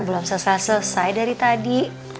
belum selesai selesai dari tadi